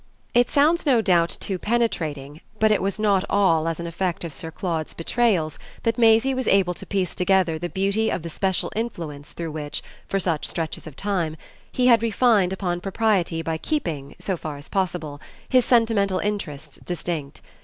It sounds, no doubt, too penetrating, but it was not all as an effect of Sir Claude's betrayals that Maisie was able to piece together the beauty of the special influence through which, for such stretches of time, he had refined upon propriety by keeping, so far as possible, his sentimental interests distinct.